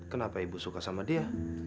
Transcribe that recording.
kenapa ibu suka sama dia